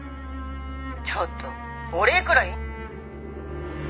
「ちょっとお礼くらい」